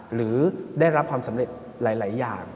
หรือได้รับความสำเร็จหลายอย่าง